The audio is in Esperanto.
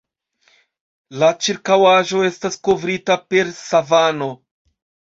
La ĉirkaŭaĵo estas kovrita per savano.